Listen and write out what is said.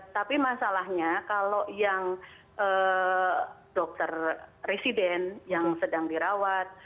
tapi masalahnya kalau yang dokter resident yang sedang dirawat